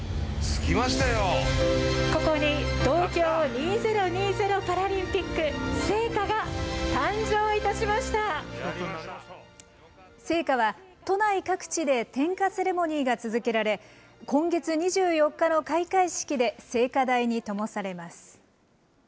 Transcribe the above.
ここに東京２０２０パラリン聖火は、都内各地で点火セレモニーが続けられ、今月２４日の開会式で聖火台にともされます。